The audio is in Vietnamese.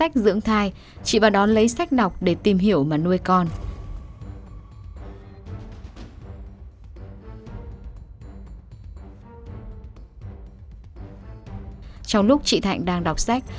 trong lúc chị thạnh đang đọc sách